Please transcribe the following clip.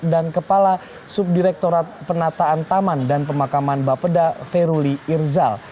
dan kepala subdirektorat penataan taman dan pemakaman bapeda feruli irzal